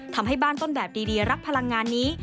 ทำให้บ้านต้นแบบดีรักพลังงานนี้